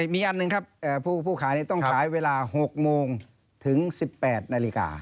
มีอันหนึ่งครับผู้ขายต้องขายเวลา๖โมงถึง๑๘นาฬิกา